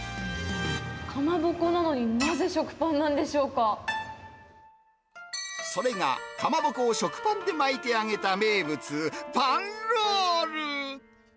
かまぼこなのに、それが、かまぼこをに食パンで巻いて揚げた名物、パンロール。